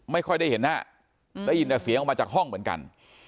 ไม่ค่อยได้เห็นหน้าได้ยินแต่เสียงออกมาจากห้องเหมือนกัน